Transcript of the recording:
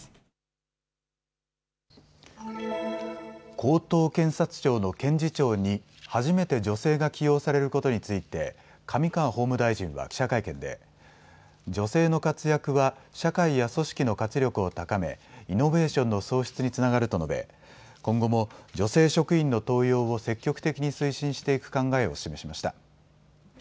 高等検察庁の検事長に初めて女性が起用されることについて上川法務大臣は記者会見で女性の活躍は社会や組織の活力を高め、イノベーションの創出につながると述べ今後も女性職員の登用を積極的に推進していく考えを示しました。